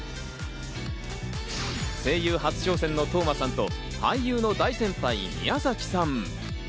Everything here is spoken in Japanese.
声優初挑戦の當真さんと、俳優の大先輩・宮崎さん。